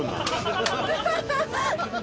ハハハハ！